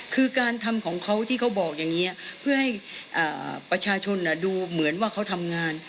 คือการทำของเขาที่เขาบอกอย่างนี้เพื่อให้ประชาชนดูเหมือนว่าเขาทำงาน